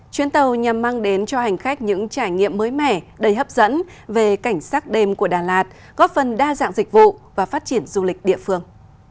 chuyến tàu nhằm mang đến cho hành khách những trải nghiệm mới mẻ đầy hấp dẫn về cảnh sát đêm của đà lạt góp phần đa dạng dịch vụ và phát triển du lịch địa phương